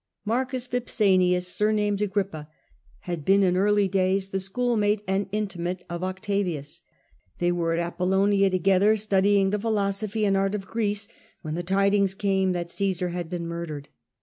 Marcus Vipsanius, surnamed Agrippa, had been in early days the schoolfellow and intimate of Octavius. They were at Apollonia together, studying gnppa. philosophy and art of Greece, when the tidings came that Caesar had been murdered.